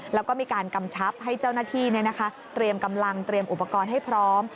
แล้วก็มีการกำชับให้เจ้าหน้าที่เตรียมกำลังเตรียมอุปกรณ์ให้พร้อม